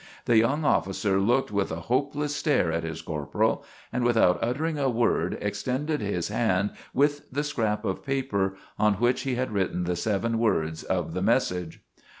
The young officer looked with a hopeless stare at his corporal, and without uttering a word extended his hand with the scrap of paper on which he had written the seven words of the message.